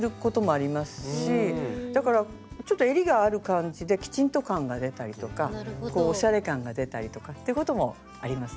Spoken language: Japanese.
だからちょっとえりがある感じできちんと感が出たりとかおしゃれ感が出たりとかっていうこともありますね。